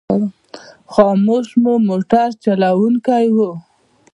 خاموش مو موټر چلوونکی و.